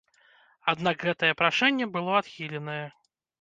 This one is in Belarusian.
Аднак гэтае прашэнне было адхіленае.